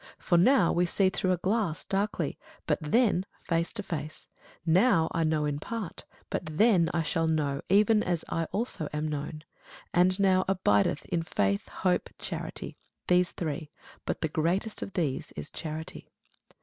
For now we see through a glass, darkly; but then face to face: now I know in part; but then shall I know even as also I am known. And now abideth faith, hope, charity, these three; but the greatest of these is charity.